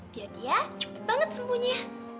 biar dia cepet banget sembuhnya